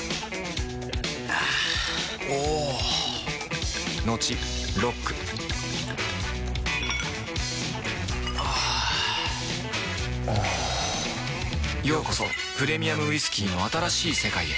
あぁおぉトクトクあぁおぉようこそプレミアムウイスキーの新しい世界へ